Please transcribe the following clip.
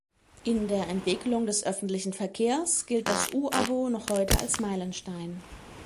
In der Entwicklung des öffentlichen Verkehrs gilt das U-Abo noch heute als Meilenstein.